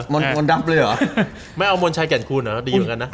มนต์ดำเลยหรอ